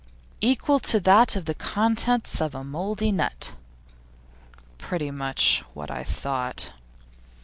'Equal to that of the contents of a mouldy nut.' 'Pretty much what I thought.